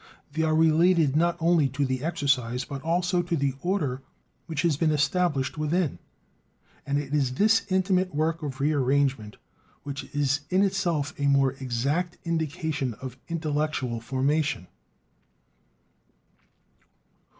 They are related not only to the exercise, but also to the order which has been established within: and it is this intimate work of rearrangement which is in itself a more exact indication of intellectual formation.